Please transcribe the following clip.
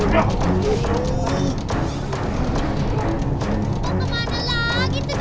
kamu jangan terlalu buruk ya